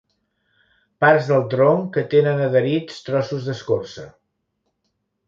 Parts del tronc que tenen adherits trossos d'escorça.